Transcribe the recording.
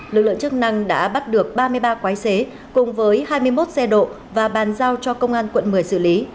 lực lượng chức năng đã bắt được ba mươi ba quái xế cùng với hai mươi một xe độ và bàn giao cho công an quận một mươi xử lý